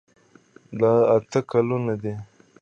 دا اته ګلونه دي.